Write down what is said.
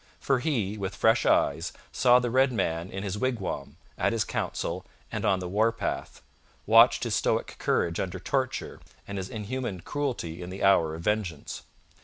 For he, with fresh eyes, saw the red man in his wigwam, at his council, and on the war path; watched his stoic courage under torture and his inhuman cruelty in the hour of vengeance.